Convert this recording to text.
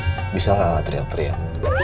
rena bisa gak nanti teriak teriak